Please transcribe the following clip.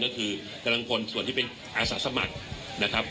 ก็คือกำลังพลส่วนที่เป็นอาสาสมัครนะครับ